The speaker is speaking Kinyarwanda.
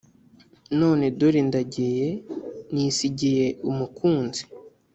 None dore ndagiye Nisigiye umukunzi !